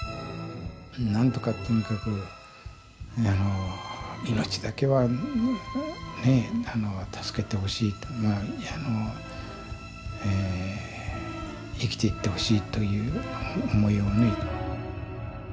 なんとかとにかく命だけはねえ助けてほしいと生きていってほしいという思いをね。